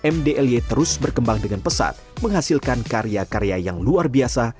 mdly terus berkembang dengan pesat menghasilkan karya karya yang luar biasa